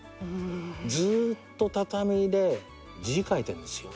ずーっと畳で字書いてんですよ。